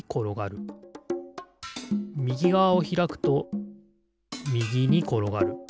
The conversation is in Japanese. みぎがわをひらくとみぎにころがる。